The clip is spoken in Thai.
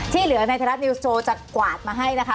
ที่เหลือในเทศนิวส์โจทย์จะกวาดมาให้นะคะ